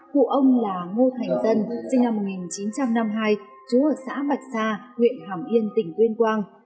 cụ ông là ngô thành dân sinh năm một nghìn chín trăm năm mươi hai chú ở xã bạch sa huyện hàm yên tỉnh tuyên quang